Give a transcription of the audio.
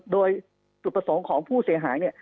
โดยตุประสงค์ของผู้เสียหาย